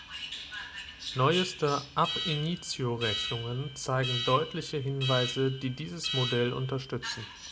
Neueste „ab initio“-Rechnungen zeigen deutliche Hinweise, die dieses Modell unterstützen.